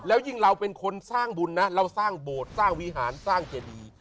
แล้วยิ่งเราเป็นคนสร้างบุญนะเราสร้างโบสถ์สร้างวิหารสร้างเจดี